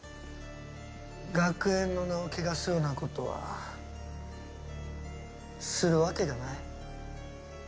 学園の名を汚すような事はするわけがない。